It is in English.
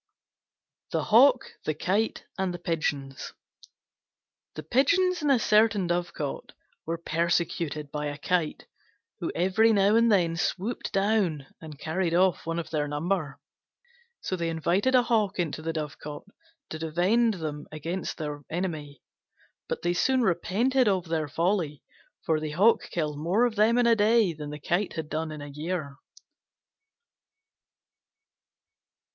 THE HAWK, THE KITE, AND THE PIGEONS The Pigeons in a certain dovecote were persecuted by a Kite, who every now and then swooped down and carried off one of their number. So they invited a Hawk into the dovecote to defend them against their enemy. But they soon repented of their folly: for the Hawk killed more of them in a day than the Kite had done in a year.